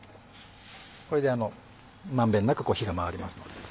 これで満遍なく火が回りますので。